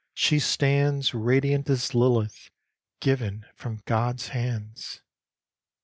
She stands Radiant as Lilith given from God's hands.